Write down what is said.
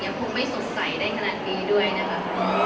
คงไม่สดใสได้ขนาดนี้ด้วยนะคะ